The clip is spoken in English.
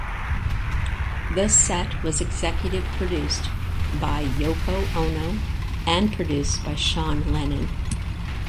The set was executive produced by Yoko Ono and produced by Sean Lennon.